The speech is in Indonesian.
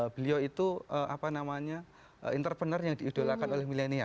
beliau itu apa namanya entrepreneur yang diidolakan oleh milenial